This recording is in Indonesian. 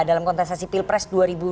dalam kontestasi pilpres dua ribu dua puluh